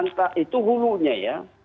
nah itu hulunya ya